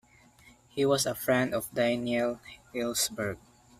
He was a friend of Daniel Ellsberg.